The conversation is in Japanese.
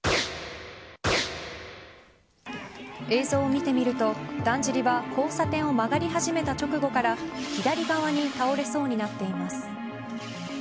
映像を見てみるとだんじりは交差点を曲がり始めた直後から左側に倒れそうになっています。